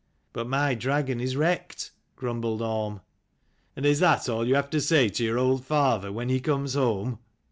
" But my dragon is wrecked," grumbled Orm. " And is that all you have to say to your old father when he comes home?